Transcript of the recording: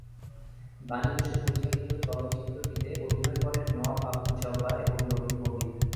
বাণী বসু পরিচালিত চলচ্চিত্রটিতে অভিনয় করেন নওয়াব আবদুল জব্বার এবং নবীন পণ্ডিত।